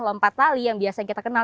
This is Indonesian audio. lompat tali yang biasa kita kenal